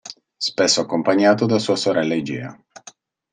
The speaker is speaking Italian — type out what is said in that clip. Spesso accompagnato da sua sorella, Igea.